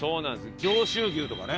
上州牛とかね。